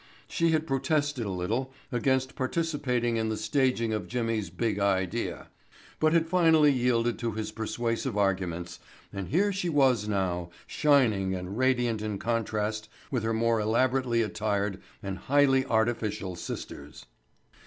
She had protested a little against participating in the staging of Jimmy's Big Idea, but had finally yielded to his persuasive arguments and here she was now, shining and radiant in contrast with her more elaborately attired and highly artificial sisters.